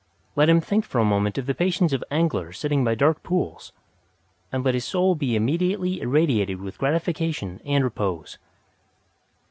Let him think for a moment of the patience of anglers sitting by dark pools, and let his soul be immediately irradiated with gratification and repose.